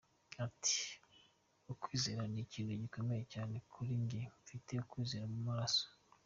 Ati :« Ukwizera ni ikintu gikomeye cyane kuri njye, mfite ukwizera mu maraso.